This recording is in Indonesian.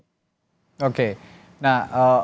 nah kalau apa namanya kategori yang diperlukan